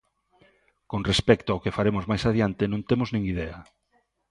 Con respecto ao que faremos mais adiante, non temos nin idea.